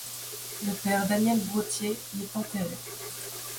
Le père Daniel Brottier y est enterré.